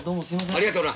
ありがとな。